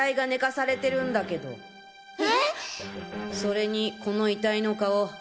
それにこの遺体の顔。